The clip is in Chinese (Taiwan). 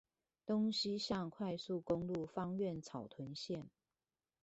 東西向快速公路芳苑草屯線